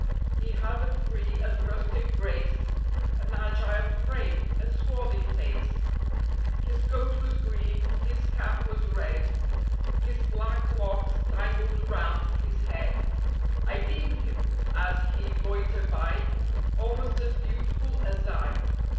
He had a free and rustic grace, An agile frame, a swarthy face ; His coat was green, his cap was red, His black locks tangled round his head. I deemed him, as he loitered by, Almost as beautiful as I.